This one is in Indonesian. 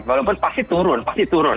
walaupun pasti turun